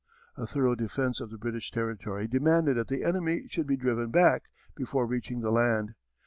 A thorough defence of the British territory demanded that the enemy should be driven back before reaching the land.